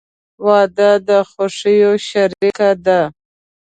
• واده د خوښیو شریکه ده.